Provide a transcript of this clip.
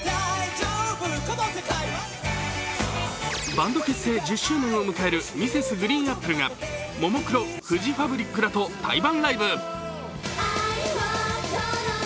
バンド結成１０周年を迎えるＭｒｓ．ＧＲＥＥＮＡＰＰＬＥがももクロ、フジファブリックらと対バンライブ。